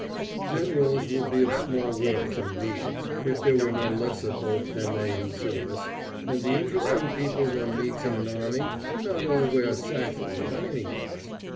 Generals would be of small worth, indeed, if there were no lesser folk than they in service, and the interesting people one meets in an army do not all wear sashes, by any means.